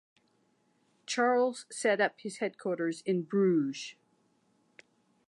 Charles set up his headquarters in Bruges.